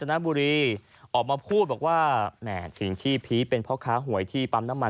มันกลายเป็นว่าไม่ซื้อสัตว์หรือเปล่า